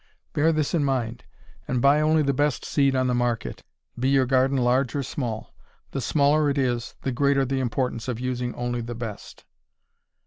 Bear this in mind, and buy only the best seed on the market, be your garden large or small. The smaller it is, the greater the importance of using only the best.